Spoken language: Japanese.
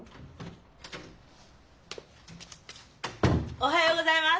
おはようございます。